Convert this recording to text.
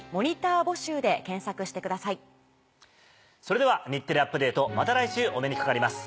それでは『日テレアップＤａｔｅ！』また来週お目にかかります。